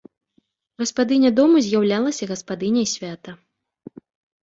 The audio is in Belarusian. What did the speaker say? Гаспадыня дому з'яўлялася гаспадыняй свята.